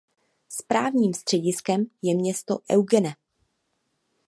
Správním střediskem je město Eugene.